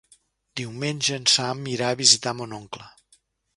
Diumenge en Sam irà a visitar mon oncle.